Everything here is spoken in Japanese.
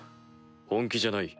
本気じゃない。